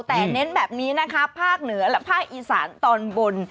แต่เน้นแบบนี้นะคะภาคเหนือและภาคอีสานตอนบน